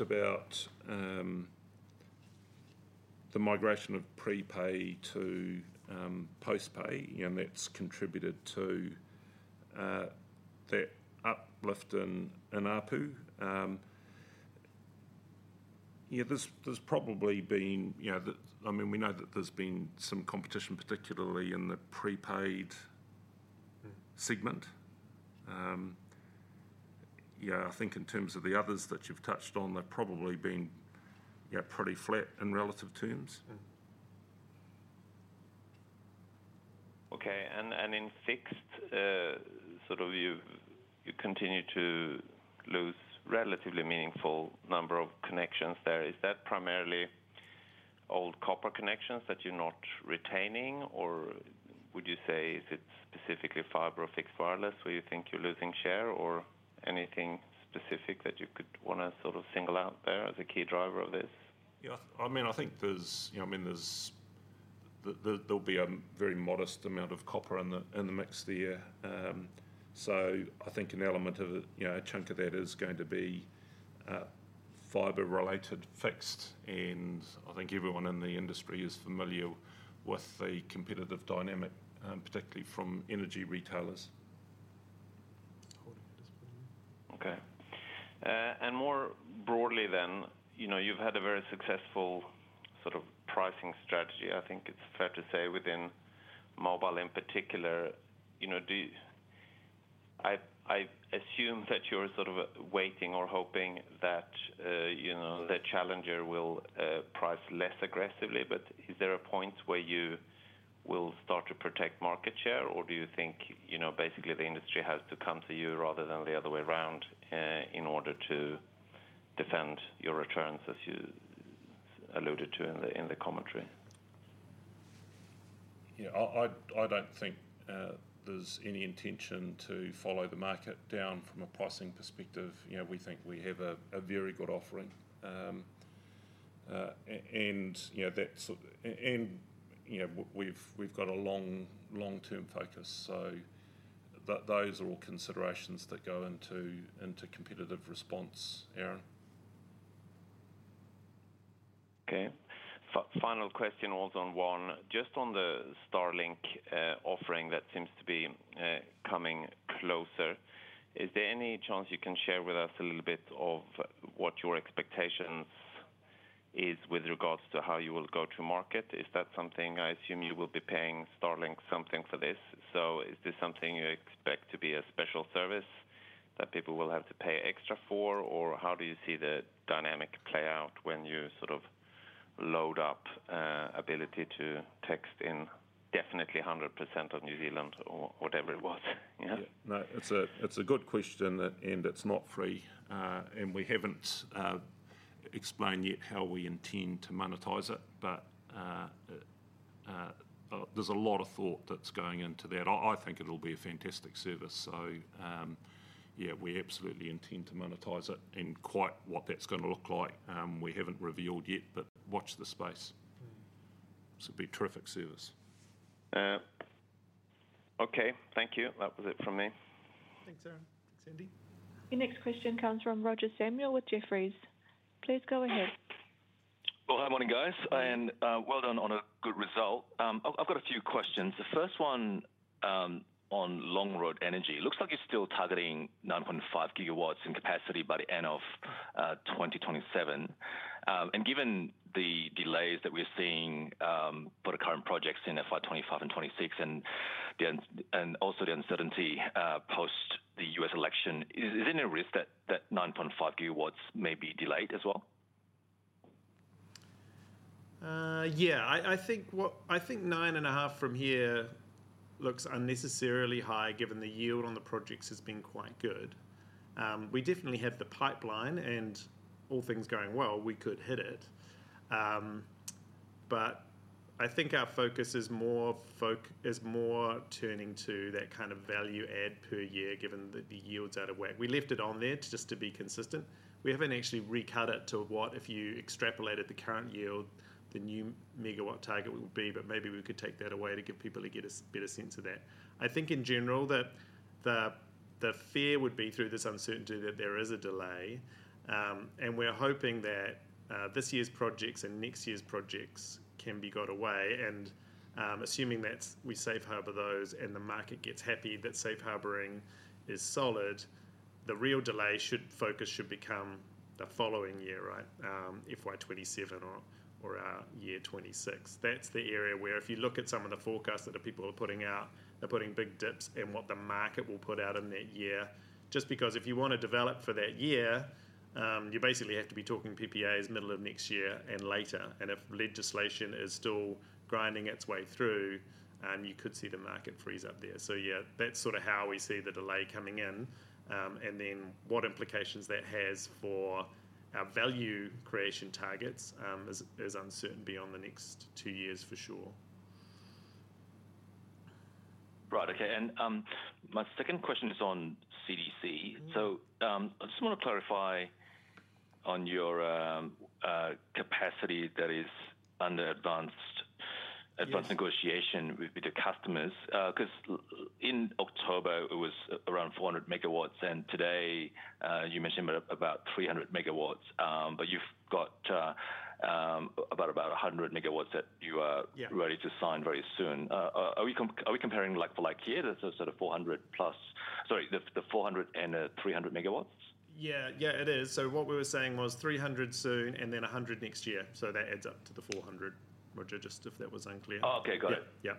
about the migration of prepaid to postpaid, and that's contributed to that uplift in ARPU. There's probably been. I mean, we know that there's been some competition, particularly in the prepaid segment. Yeah, I think in terms of the others that you've touched on, they've probably been pretty flat in relative terms. Okay. And in fixed, sort of you continue to lose relatively meaningful number of connections there. Is that primarily old copper connections that you're not retaining, or would you say it's specifically fibre or fixed wireless where you think you're losing share or anything specific that you could want to sort of single out there as a key driver of this? Yeah. I mean, I think there's—I mean, there'll be a very modest amount of copper in the mix there. So I think an element of a chunk of that is going to be fiber-related fixed. And I think everyone in the industry is familiar with the competitive dynamic, particularly from energy retailers. Okay. And more broadly then, you've had a very successful sort of pricing strategy, I think it's fair to say, within mobile in particular. I assume that you're sort of waiting or hoping that the challenger will price less aggressively, but is there a point where you will start to protect market share, or do you think basically the industry has to come to you rather than the other way around in order to defend your returns, as you alluded to in the commentary? Yeah, I don't think there's any intention to follow the market down from a pricing perspective. We think we have a very good offering, and we've got a long-term focus. So those are all considerations that go into competitive response, Cameron. Okay. Final question, also on One. Just on the Starlink offering that seems to be coming closer, is there any chance you can share with us a little bit of what your expectation is with regards to how you will go to market? Is that something I assume you will be paying Starlink something for this? So is this something you expect to be a special service that people will have to pay extra for, or how do you see the dynamic play out when you sort of load up ability to text indefinitely 100% of New Zealand or whatever it was? Yeah, no, it's a good question, and it's not free and we haven't explained yet how we intend to monetize it, but there's a lot of thought that's going into that. I think it'll be a fantastic service, so yeah, we absolutely intend to monetize it and quite what that's going to look like, we haven't revealed yet, but watch the space. It'll be a terrific service. Okay, thank you. That was it from me. Thanks, Cameron. Thanks, Andrew. Your next question comes from Roger Samuel with Jefferies. Please go ahead. Good morning, guys, and well done on a good result. I've got a few questions. The first one on Long Road Energy. It looks like you're still targeting 9.5 gigawatts in capacity by the end of 2027. Given the delays that we're seeing for the current projects in FY25 and FY26, and also the uncertainty post the U.S. election, is there any risk that 9.5 gigawatts may be delayed as well? Yeah, I think 9.5 from here looks unnecessarily high given the yield on the projects has been quite good. We definitely have the pipeline, and all things going well, we could hit it. But I think our focus is more turning to that kind of value add per year given the yields out of whack. We left it on there just to be consistent. We haven't actually recut it to what if you extrapolated the current yield, the new megawatt target would be, but maybe we could take that away to give people a better sense of that. I think in general that the fear would be through this uncertainty that there is a delay. And we're hoping that this year's projects and next year's projects can be got away. Assuming that we Safe Harbor those and the market gets happy that Safe Harboring is solid, the real delay focus should become the following year, right, FY27 or year 26. That's the area where if you look at some of the forecasts that people are putting out, they're putting big dips in what the market will put out in that year. Just because if you want to develop for that year, you basically have to be talking PPAs middle of next year and later. If legislation is still grinding its way through, you could see the market freeze up there. Yeah, that's sort of how we see the delay coming in. What implications that has for our value creation targets is uncertain beyond the next two years for sure. Right, okay. And my second question is on CDC. So I just want to clarify on your capacity that is under advanced negotiation with the customers. Because in October, it was around 400 megawatts, and today you mentioned about 300 megawatts, but you've got about 100 megawatts that you are ready to sign very soon. Are we comparing like for like here? That's a sort of 400 plus, sorry, the 400 and the 300 megawatts? Yeah, yeah, it is. So what we were saying was 300 soon and then 100 next year. So that adds up to the 400, Roger, just if that was unclear. Oh, okay, got it. Yeah.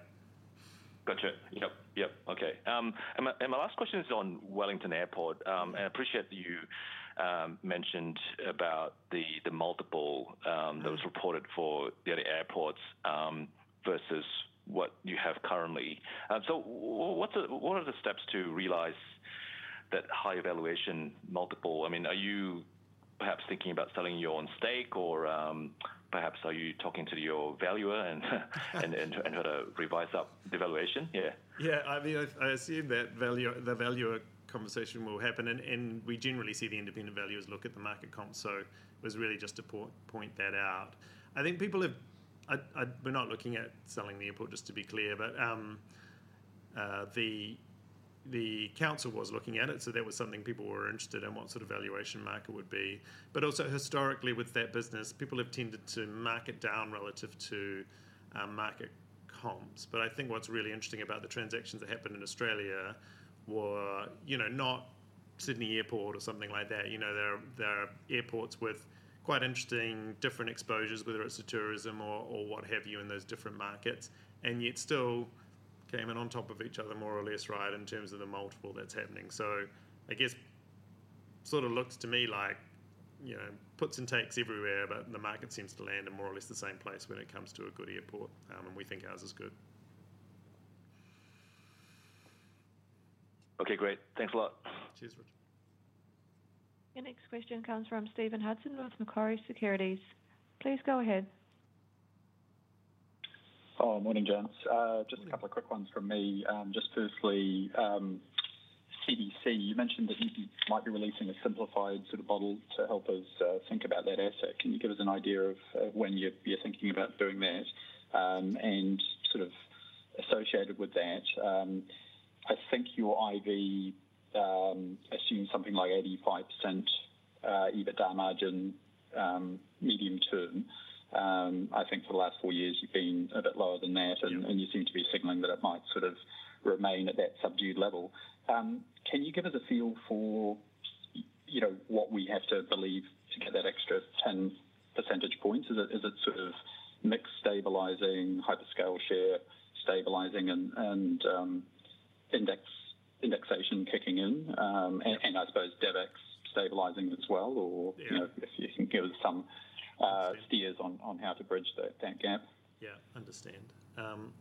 Gotcha. Yep, yep, okay. And my last question is on Wellington Airport. And I appreciate that you mentioned about the multiple that was reported for the other airports versus what you have currently. So what are the steps to realize that high valuation multiple? I mean, are you perhaps thinking about selling your own stake, or perhaps are you talking to your valuer and trying to revise up the valuation? Yeah. Yeah, I assume that the valuer conversation will happen, and we generally see the independent valuers look at the market comp. So it was really just to point that out. I think people have been not looking at selling the airport, just to be clear, but the council was looking at it. So that was something people were interested in, what sort of valuation market would be. But also historically with that business, people have tended to market down relative to market comps. But I think what's really interesting about the transactions that happened in Australia were not Sydney Airport or something like that. There are airports with quite interesting different exposures, whether it's the tourism or what have you in those different markets and yet still came in on top of each other more or less, right, in terms of the multiple that's happening. So I guess sort of looks to me like puts and takes everywhere, but the market seems to land in more or less the same place when it comes to a good airport, and we think ours is good. Okay, great. Thanks a lot. Cheers, Roger. Your next question comes from Stephen Hudson with Macquarie Securities. Please go ahead. Oh, morning, gents. Just a couple of quick ones from me. Just firstly, CDC, you mentioned that you might be releasing a simplified sort of model to help us think about that asset. Can you give us an idea of when you're thinking about doing that? And sort of associated with that, I think your IV assumes something like 85% EBITDA margin medium term. I think for the last four years, you've been a bit lower than that, and you seem to be signaling that it might sort of remain at that subdued level. Can you give us a feel for what we have to believe to get that extra 10 percentage points? Is it sort of mixed stabilizing, hyperscale share stabilizing, and indexation kicking in? And I suppose DevEx stabilizing as well, or if you can give us some steers on how to bridge that gap. Yeah, understand.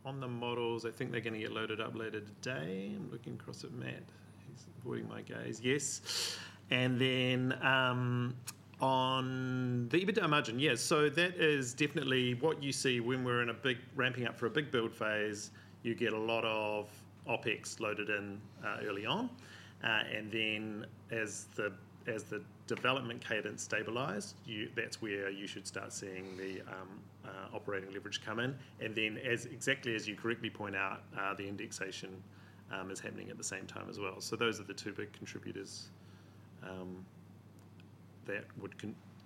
On the models, I think they're going to get loaded up later today. I'm looking across at Matt. He's avoiding my gaze. Yes, and then on the EBITDA margin, yes, so that is definitely what you see when we're in a big ramping up for a big build phase. You get a lot of OpEx loaded in early on, and then as the development cadence stabilized, that's where you should start seeing the operating leverage come in, and then exactly as you correctly point out, the indexation is happening at the same time as well. So those are the two big contributors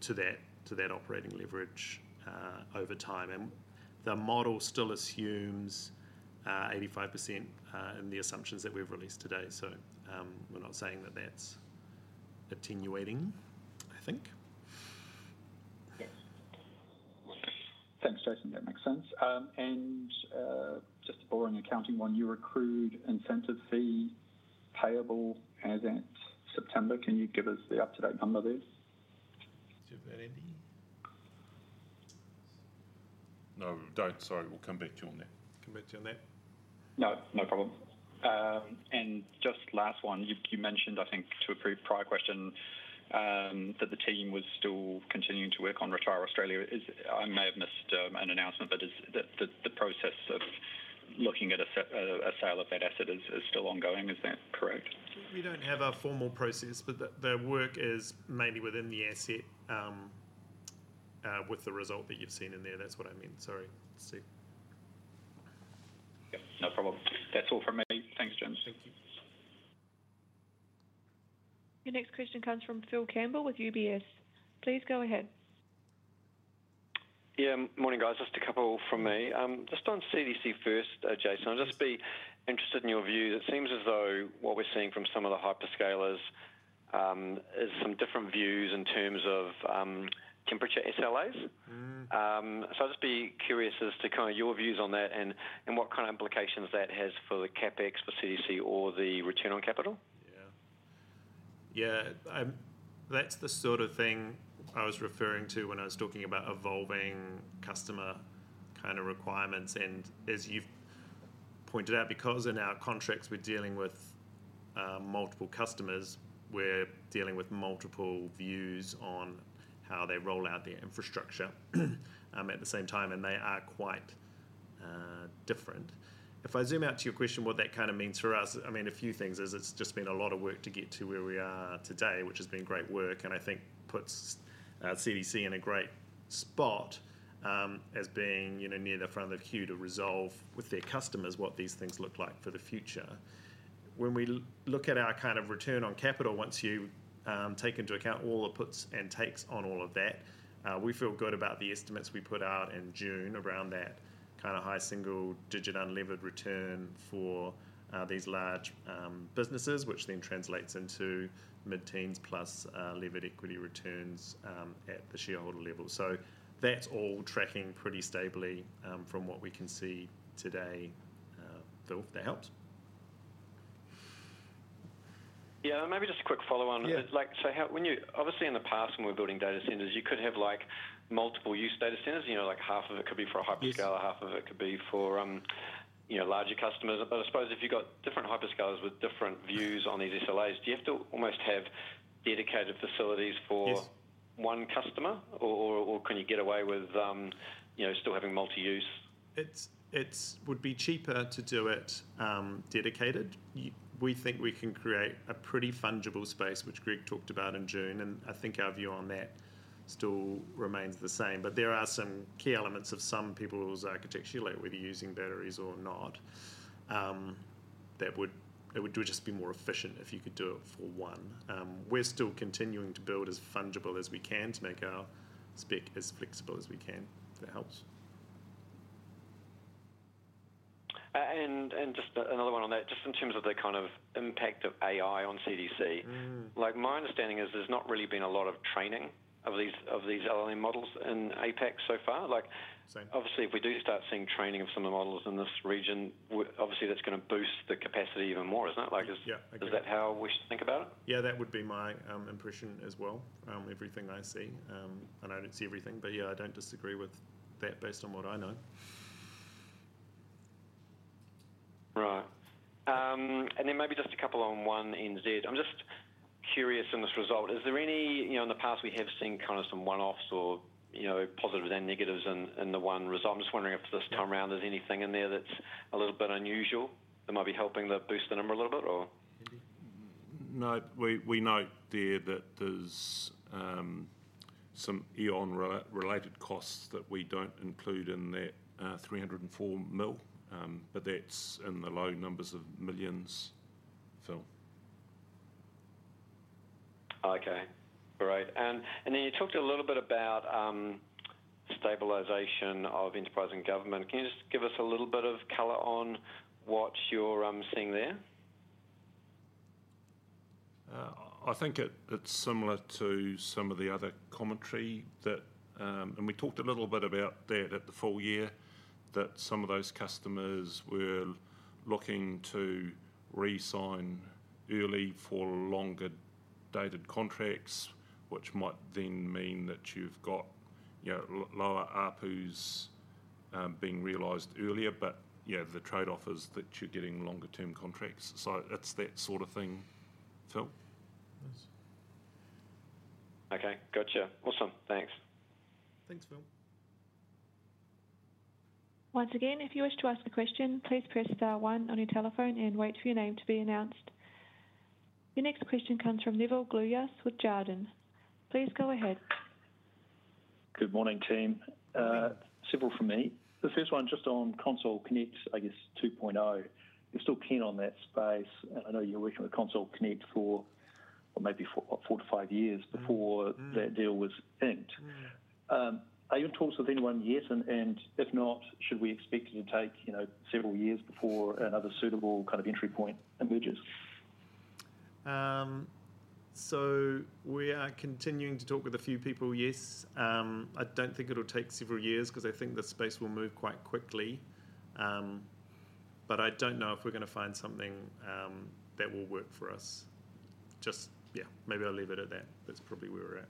to that operating leverage over time, and the model still assumes 85% in the assumptions that we've released today, so we're not saying that that's attenuating, I think. Thanks, Jason. That makes sense. And just a boring accounting one. Your recurring incentive fee payable as at September. Can you give us the up-to-date number there? Do that, Andrew. No, don't. Sorry, we'll come back to you on that. Come back to you on that. No, no problem. And just last one, you mentioned, I think, to a prior question that the team was still continuing to work on Retire Australia. I may have missed an announcement, but the process of looking at a sale of that asset is still ongoing. Is that correct? We don't have a formal process, but the work is mainly within the asset with the result that you've seen in there. That's what I meant. Sorry. Yep, no problem. That's all from me. Thanks, James. Thank you. Your next question comes from Phil Campbell with UBS. Please go ahead. Yeah, morning, guys. Just a couple from me. Just on CDC first, Jason. I'll just be interested in your view. It seems as though what we're seeing from some of the hyperscalers is some different views in terms of temperature SLAs. So I'd just be curious as to kind of your views on that and what kind of implications that has for the CapEx for CDC or the return on capital. Yeah. Yeah, that's the sort of thing I was referring to when I was talking about evolving customer kind of requirements. And as you've pointed out, because in our contracts we're dealing with multiple customers, we're dealing with multiple views on how they roll out their infrastructure at the same time, and they are quite different. If I zoom out to your question, what that kind of means for us, I mean, a few things is it's just been a lot of work to get to where we are today, which has been great work, and I think puts CDC in a great spot as being near the front of the queue to resolve with their customers what these things look like for the future. When we look at our kind of return on capital, once you take into account all the puts and takes on all of that, we feel good about the estimates we put out in June around that kind of high single-digit unlevered return for these large businesses, which then translates into mid-teens plus levered equity returns at the shareholder level, so that's all tracking pretty stably from what we can see today. Phil, that helps? Yeah, maybe just a quick follow-on. So obviously in the past, when we were building data centers, you could have multiple use data centers. Half of it could be for a hyperscaler, half of it could be for larger customers. But I suppose if you've got different hyperscalers with different views on these SLAs, do you have to almost have dedicated facilities for one customer, or can you get away with still having multi-use? It would be cheaper to do it dedicated. We think we can create a pretty fungible space, which Greg talked about in June, and I think our view on that still remains the same. But there are some key elements of some people's architecture, like whether using batteries or not, that would just be more efficient if you could do it for one. We're still continuing to build as fungible as we can to make our spec as flexible as we can. That helps. And just another one on that, just in terms of the kind of impact of AI on CDC, my understanding is there's not really been a lot of training of these LLM models in APAC so far. Obviously, if we do start seeing training of some of the models in this region, obviously that's going to boost the capacity even more, isn't it? Is that how we should think about it? Yeah, that would be my impression as well, everything I see. I don't see everything, but yeah, I don't disagree with that based on what I know. Right. And then maybe just a couple on 1NZ. I'm just curious on this result. Is there any in the past we have seen kind of some one-offs or positives and negatives in the one result? I'm just wondCamerong if this time around there's anything in there that's a little bit unusual that might be helping to boost the number a little bit, or? No, we note there that there's some EON-related costs that we don't include in that 304 million, but that's in the low numbers of millions, Phil. Okay. All right. And then you talked a little bit about stabilization of enterprise and government. Can you just give us a little bit of color on what you're seeing there? I think it's similar to some of the other commentary that, and we talked a little bit about that at the full year, that some of those customers were looking to re-sign early for longer dated contracts, which might then mean that you've got lower APUs being realized earlier, but yeah, the trade-off is that you're getting longer-term contracts. So it's that sort of thing, Phil. Okay, gotcha. Awesome. Thanks. Thanks, Phil. Once again, if you wish to ask a question, please press star one on your telephone and wait for your name to be announced. Your next question comes from Neville Gluyas with Jarden. Please go ahead. Good morning, team. Several from me. The first one just on Console Connect, I guess 2.0. You're still keen on that space, and I know you're working with Console Connect for maybe four to five years before that deal was inked. Are you in talks with anyone yet? And if not, should we expect it to take several years before another suitable kind of entry point emerges? So we are continuing to talk with a few people, yes. I don't think it'll take several years because I think the space will move quite quickly. But I don't know if we're going to find something that will work for us. Just, yeah, maybe I'll leave it at that. That's probably where we're at.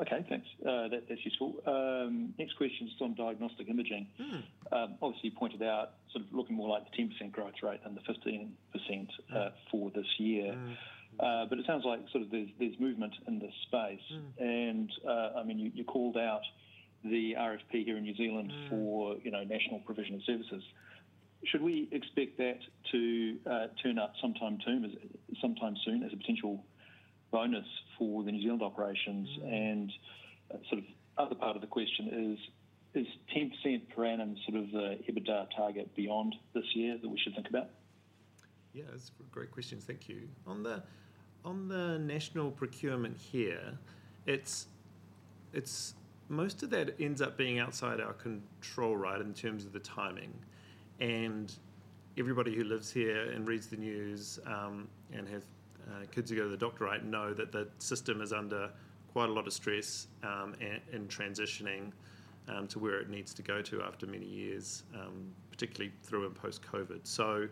Okay, thanks. That's useful. Next question is on diagnostic imaging. Obviously, you pointed out sort of looking more like the 10% growth rate than the 15% for this year. But it sounds like sort of there's movement in the space. And I mean, you called out the RFP here in New Zealand for national provision of services. Should we expect that to turn up sometime soon as a potential bonus for the New Zealand operations? And sort of the other part of the question is, is 10% per annum sort of the EBITDA target beyond this year that we should think about? Yeah, that's a great question. Thank you on that. On the national procurement here, most of that ends up being outside our control, right, in terms of the timing, and everybody who lives here and reads the news and has kids who go to the doctors know that the system is under quite a lot of stress and transitioning to where it needs to go to after many years, particularly through and post-COVID, so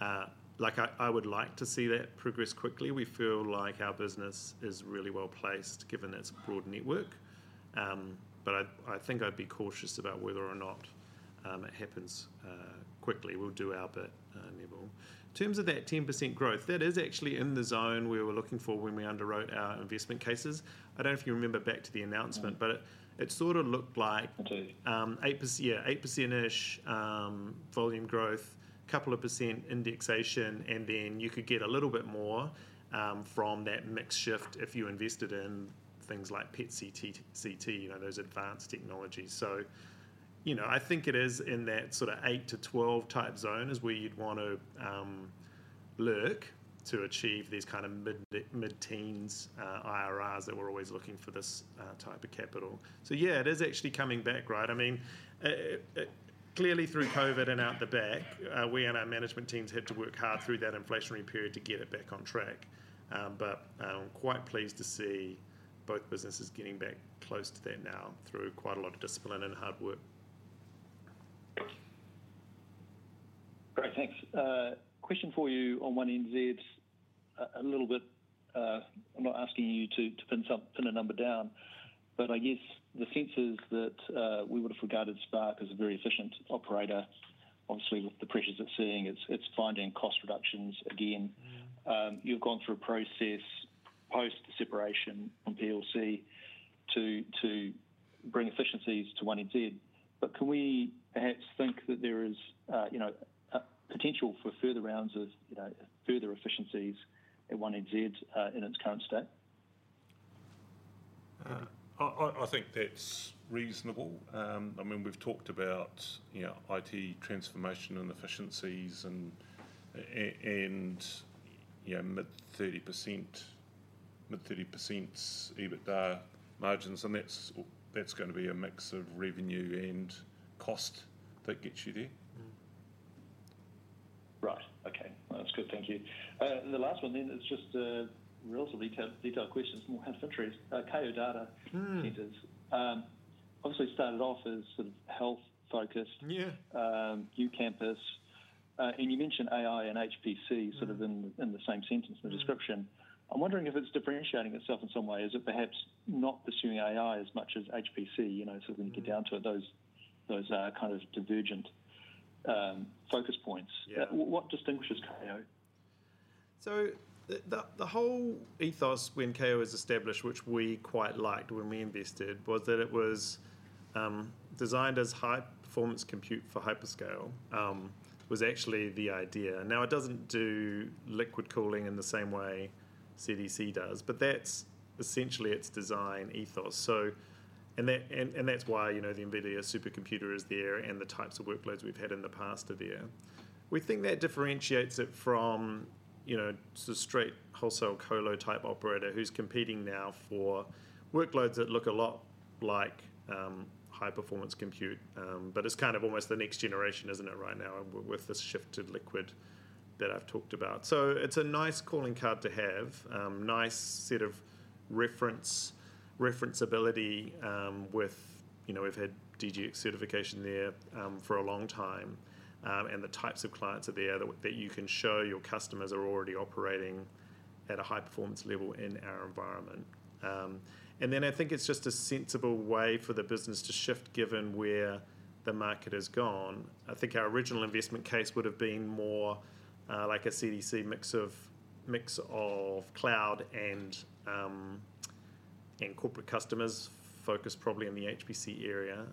I would like to see that progress quickly. We feel like our business is really well placed given its broad network, but I think I'd be cautious about whether or not it happens quickly. We'll do our bit, Neville. In terms of that 10% growth, that is actually in the zone we were looking for when we underwrote our investment cases. I don't know if you remember back to the announcement, but it sort of looked like, yeah, 8%-ish volume growth, a couple of percent indexation, and then you could get a little bit more from that mix shift if you invested in things like PET-CT, those advanced technologies. So I think it is in that sort of 8 to 12 type zone is where you'd want to lurk to achieve these kind of mid-teens IRRs that we're always looking for this type of capital. So yeah, it is actually coming back, right? I mean, clearly through COVID and out the back, we and our management teams had to work hard through that inflationary period to get it back on track. But I'm quite pleased to see both businesses getting back close to that now through quite a lot of discipline and hard work. Great, thanks. Question for you on 1NZ, a little bit. I'm not asking you to pin a number down, but I guess the sense is that we would have regarded Spark as a very efficient operator. Obviously, with the pressures it's seeing, it's finding cost reductions again. You've gone through a process post-separation from PLC to bring efficiencies to 1NZ. But can we perhaps think that there is potential for further rounds of further efficiencies at 1NZ in its current state? I think that's reasonable. I mean, we've talked about IT transformation and efficiencies and mid-30% EBITDA margins, and that's going to be a mix of revenue and cost that gets you there. Right. Okay. That's good. Thank you. And the last one then is just a relatively detailed question, some more kind of interest. Kao Data Centers, obviously started off as sort of health-focused, new campus. And you mentioned AI and HPC sort of in the same sentence, in the description. I'm wondCamerong if it's differentiating itself in some way. Is it perhaps not pursuing AI as much as HPC, sort of when you get down to it, those kind of divergent focus points? What distinguishes Kao Data Centers? So the whole ethos when Kao was established, which we quite liked when we invested, was that it was designed as high-performance compute for hyperscale was actually the idea. Now, it doesn't do liquid cooling in the same way CDC does, but that's essentially its design ethos. And that's why the NVIDIA supercomputer is there and the types of workloads we've had in the past are there. We think that differentiates it from the straight wholesale colo type operator who's competing now for workloads that look a lot like high-performance compute, but it's kind of almost the next generation, isn't it, right now with this shift to liquid that I've talked about. So it's a nice calling card to have, nice set of reference ability with we've had DGX certification there for a long time, and the types of clients are there that you can show your customers are already operating at a high-performance level in our environment. And then I think it's just a sensible way for the business to shift given where the market has gone. I think our original investment case would have been more like a CDC mix of cloud and corporate customers focused probably in the HPC area.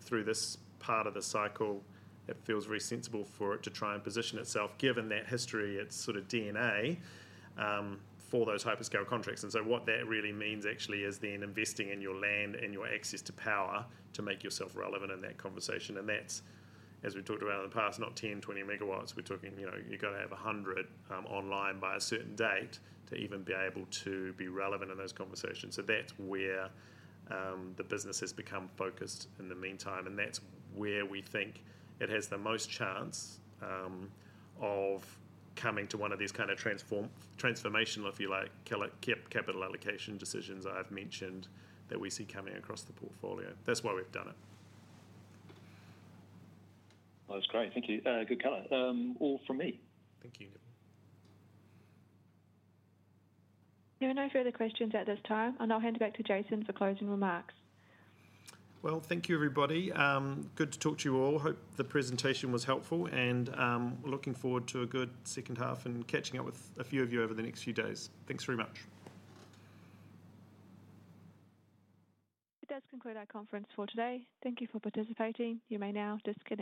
Through this part of the cycle, it feels very sensible for it to try and position itself given that history, its sort of DNA for those hyperscale contracts. And so what that really means actually is then investing in your land and your access to power to make yourself relevant in that conversation. And that's, as we talked about in the past, not 10, 20 megawatts. We're talking you've got to have 100 online by a certain date to even be able to be relevant in those conversations. So that's where the business has become focused in the meantime, and that's where we think it has the most chance of coming to one of these kind of transformational, if you like, capital allocation decisions I've mentioned that we see coming across the portfolio. That's why we've done it. That's great. Thank you. Good color. All from me. Thank you. There are no further questions at this time, and I'll hand it back to Jason for closing remarks. Thank you, everybody. Good to talk to you all. Hope the presentation was helpful, and we're looking forward to a good second half and catching up with a few of you over the next few days. Thanks very much. That does conclude our conference for today. Thank you for participating. You may now disconnect.